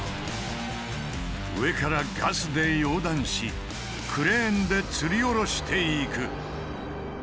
上からガスで溶断しクレーンでつりおろしていく。